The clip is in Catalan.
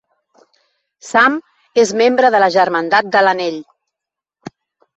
Sam és membre de la Germandat de l'Anell.